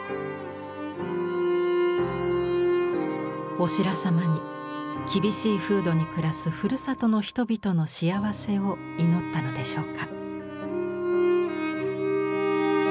オシラサマに厳しい風土に暮らすふるさとの人々の幸せを祈ったのでしょうか。